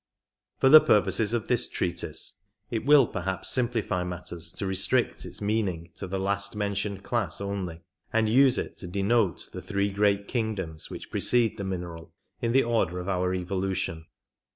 For the purposes of this treatise it will perhaps 48 Simplify matters to restrict its meaning to the last mentioned class only, and use it to denote the three great kingdoms which precede the mineral in the order of our evolution.